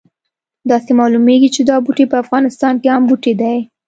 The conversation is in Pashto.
داسې معلومیږي چې دا بوټی په افغانستان کې عام بوټی دی